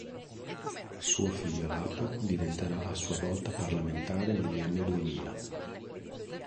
Suo figlio Lapo diventerà a sua volta parlamentare negli anni Duemila.